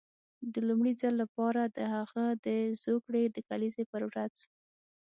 د لومړي ځل لپاره د هغه د زوکړې د کلیزې پر ورځ.